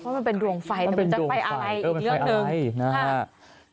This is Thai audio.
มันเป็นดวงไฟมันจะไปอะไรอีกเรื่องหนึ่ง